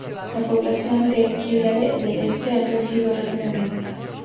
La población de Kildare del Este ha crecido rápidamente.